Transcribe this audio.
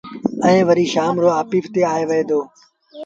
ائيٚݩ وري شآم رو آڦيٚس تي آئي وهي دو۔